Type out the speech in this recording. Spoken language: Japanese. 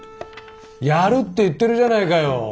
やるって言ってるじゃないかよ。